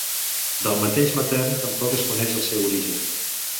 Del mateix Matern tampoc es coneix el seu origen.